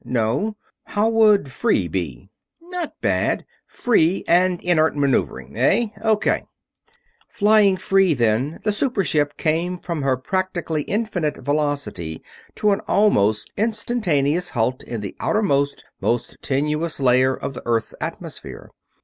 No ... how would 'free' be?" "Not bad. 'Free' and 'Inert' maneuvering, eh? O.K." Flying "free", then, the super ship came from her practically infinite velocity to an almost instantaneous halt in the outermost, most tenuous layer of the Earth's atmosphere.